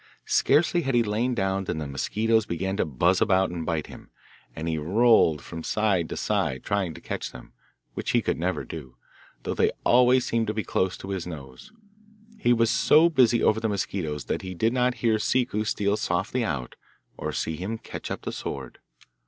Scarcely had he lain down than the mosquitos began to buzz about and bite him, and he rolled from side to side trying to catch them, which he never could do, though they always seemed to be close to his nose. He was so busy over the mosquitos that he did not hear Ciccu steal softly out, or see him catch up the sword.